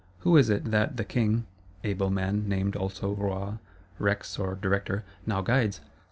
Who is it that the King (Able man, named also Roi, Rex, or Director) now guides?